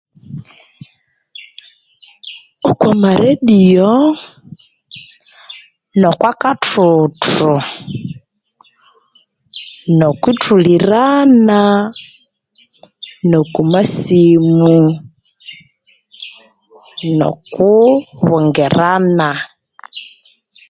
Okwa maradio, nokwa kathuthu nokuthulirana noku masimu noku bungirana